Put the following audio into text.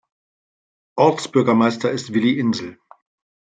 Ortsbürgermeister ist Willi Insel.